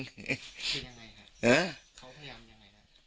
เป็นยังไงครับ